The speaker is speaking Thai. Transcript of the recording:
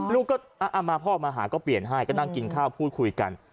ลูกก็เอามาพ่อมาหาก็เปลี่ยนให้ก็นั่งกินข้าวพูดคุยกัน